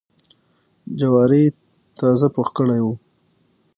جواري یې تازه پوخ کړی و.